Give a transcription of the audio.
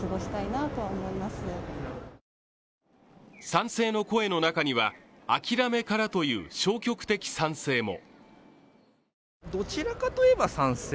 賛成の声の中には、諦めからという消極的賛成も。